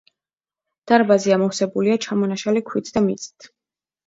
დარბაზი ამოვსებულია ჩამონაშალი ქვით და მიწით.